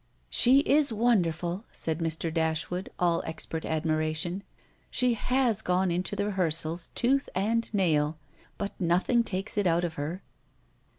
"She is wonderful," said Mr. Dashwood, all expert admiration; "she has gone into the rehearsals tooth and nail. But nothing takes it out of her."